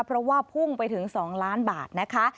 เพราะว่าพุ่งไปถึง๒ล้านบาทนะคะ